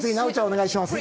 お願いします